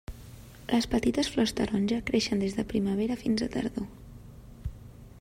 Les petites flors taronja creixen des de primavera fins a tardor.